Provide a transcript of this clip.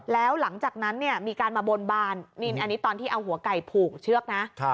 แล้วหลังจากนั้นเนี่ยมีการมาบนบานนี่อันนี้ตอนที่เอาหัวไก่ผูกเชือกนะ